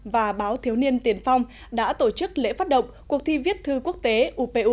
và báo thiếu niên tiền phong đã tổ chức lễ phát động cuộc thi viết thư quốc tế upu lần thứ bốn mươi chín năm hai nghìn hai mươi